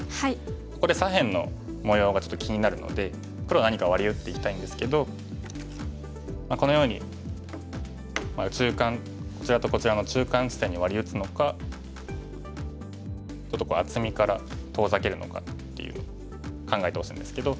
ここで左辺の模様がちょっと気になるので黒は何かワリ打っていきたいんですけどこのように中間こちらとこちらの中間地点にワリ打つのかちょっと厚みから遠ざけるのかっていう考えてほしいんですけど。